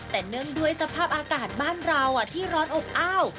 แต่เนื่องด้วยสภาพอากาศบ้านเราที่ร้อนอบอ้าว